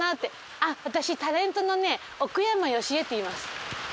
あっ私タレントのね奥山佳恵っていいます。